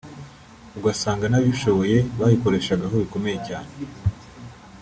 ugasanga n’abishoboye bayikoreshaga aho bikomeye cyane